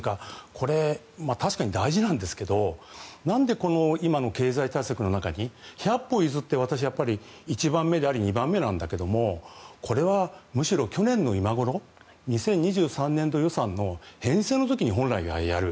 これ、確かに大事なんですが何でこの今の経済対策の中に百歩譲って私は１番目であり２番目なんだけどこれはむしろ去年の今ごろ２０２３年度予算の編成の時に本来はやる。